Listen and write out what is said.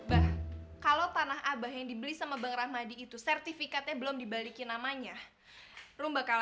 bah kalau tanah abah yang dibeli sama bang rahmadi itu sertifikatnya belum dibalikin namanya lo bakal